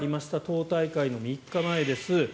党大会の３日前です。